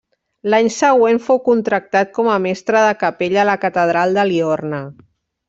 L'any següent fou contractat com a mestre de capella a la catedral de Liorna.